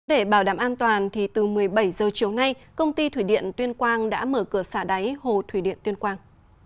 để bảo đảm an toàn từ một mươi bảy h chiều nay công ty thủy điện tuyên quang đã mở cửa xả đáy hồ thủy điện tuyên quang